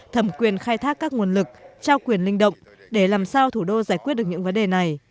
thẩm quyền khai thác các nguồn lực trao quyền linh động để làm sao thủ đô giải quyết được những vấn đề này